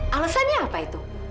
alasannya apa itu